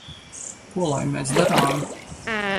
Ko lai mēs darām?